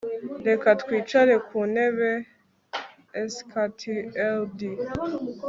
Reka twicare ku ntebe sctld